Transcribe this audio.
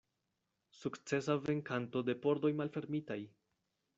Sukcesa venkanto de pordoj malfermitaj.